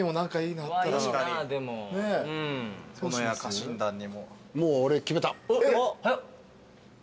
殿や家臣団にも。